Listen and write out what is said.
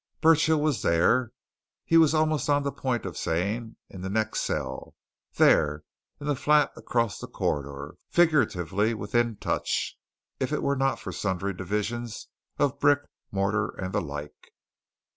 Burchill was there he was almost on the point of saying, in the next cell! there, in the flat across the corridor; figuratively, within touch, if it were not for sundry divisions of brick, mortar, and the like.